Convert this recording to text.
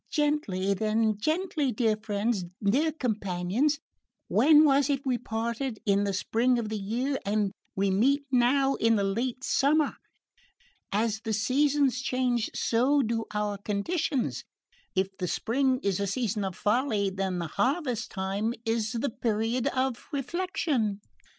"Gently, then, gently, dear friends dear companions! When was it we parted? In the spring of the year and we meet now in the late summer. As the seasons change so do our conditions: if the spring is a season of folly, then is the harvest time the period for reflection.